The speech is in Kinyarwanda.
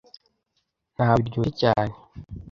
Ntabwo biryoshye cyane.